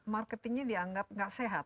marketingnya dianggap tidak sehat